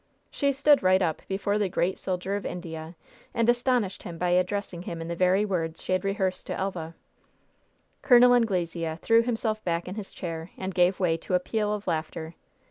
She stood right up before the great soldier of India, and astonished him by addressing him in the very words she had rehearsed to Elva. Col. Anglesea threw himself back in his chair, and gave way to a peal of laughter.